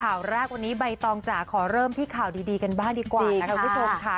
ข่าวแรกวันนี้ใบตองจ๋าขอเริ่มที่ข่าวดีกันบ้างดีกว่านะคะคุณผู้ชมค่ะ